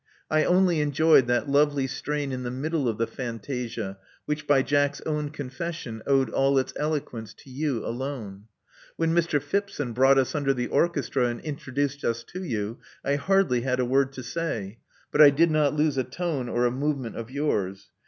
I only enjoyed that lovely strain in the middle of the fantasia, which by Jack's own con fession, owed all its eloquence to you alone. When Mr. Phipson brought us under the orchestra and introduced us to you, I hardly had a vord to say ; but I did not lose a tone or a movement of yours.